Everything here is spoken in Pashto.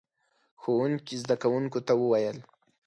ښوونکي زده کوونکو ته وويل: